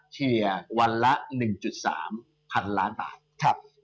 เฉลี่ยวันละ๑๓พันล้านบาท